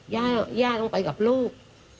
ย่าต้องไปกับลูก